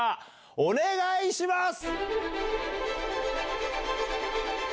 お願いします。